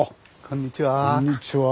こんにちは。